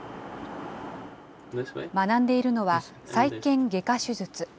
学んでいるのは、再建外科手術。